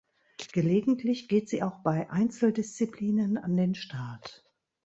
Gelegentlich geht sie auch bei Einzeldisziplinen an den Start.